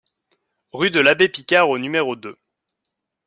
Rue de l'Abbé Picard au numéro deux